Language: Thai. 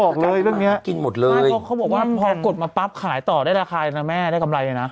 เขาบอกว่าพอกดมาปั๊บขายต่อได้ราคาได้กำไรนะ